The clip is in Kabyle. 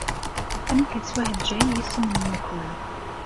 Amek yettwaheǧǧay yisem n nnekwa-?